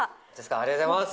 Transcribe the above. ありがとうございます。